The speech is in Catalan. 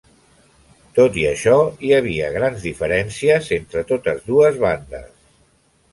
Tot i això, hi havia grans diferències entre totes dues bandes.